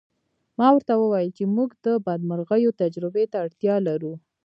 ما ورته وویل چې موږ د بدمرغیو تجربې ته اړتیا لرو